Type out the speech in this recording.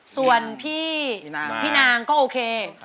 สวัสดีครับ